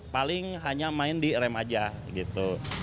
paling hanya main di rem aja gitu